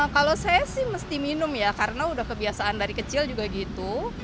kalau saya sih mesti minum ya karena udah kebiasaan dari kecil juga gitu